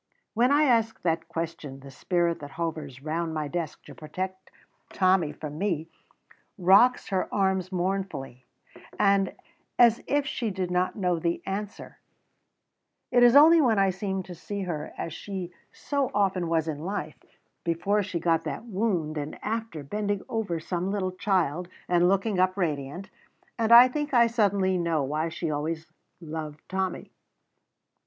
When I ask that question the spirit that hovers round my desk to protect Tommy from me rocks her arms mournfully, as if she did not know the answer; it is only when I seem to see her as she so often was in life, before she got that wound and after, bending over some little child and looking up radiant, that I think I suddenly know why she always loved Tommy.